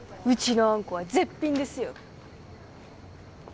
うちのあんこは絶品ですよ。